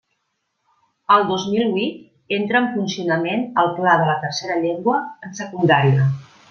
El dos mil huit entra en funcionament el Pla de la tercera llengua, en Secundària.